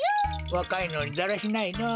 わかいのにだらしないのう。